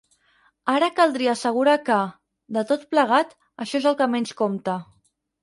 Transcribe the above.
Ara caldria assegurar que, de tot plegat, això és el que menys compta.